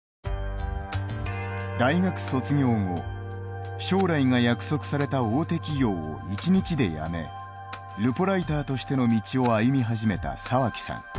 大学卒業後将来が約束された大手企業を一日で辞めルポライターとしての道を歩み始めた沢木さん。